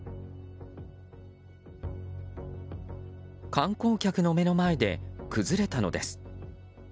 観光客の目の前で崩れたのです。